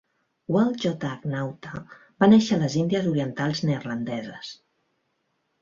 Walle J. H. Nauta va néixer a les Índies Orientals Neerlandeses.